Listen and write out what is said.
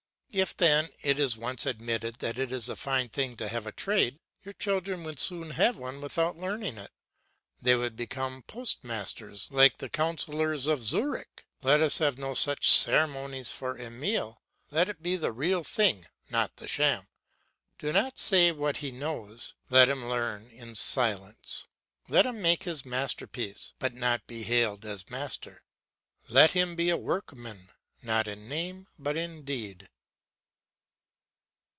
If then it is once admitted that it is a fine thing to have a trade, your children would soon have one without learning it. They would become postmasters like the councillors of Zurich. Let us have no such ceremonies for Emile; let it be the real thing not the sham. Do not say what he knows, let him learn in silence. Let him make his masterpiece, but not be hailed as master; let him be a workman not in name but in deed.